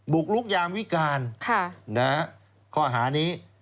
กลุกยามวิการข้อหานี้